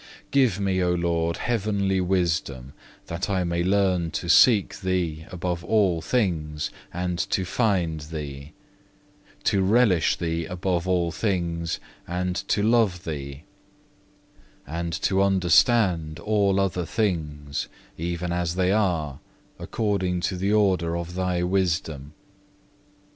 5. Give me, O Lord, heavenly wisdom, that I may learn to seek Thee above all things and to find Thee; to relish Thee above all things and to love Thee; and to understand all other things, even as they are, according to the order of Thy wisdom.